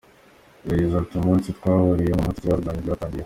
Yagize ati “Umunsi twahuriyeho niwo munsi ibibazo byanjye byatangiriyeho.